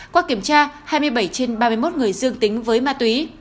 qua kiểm tra hai mươi bảy trên ba mươi một người dương tính với ma túy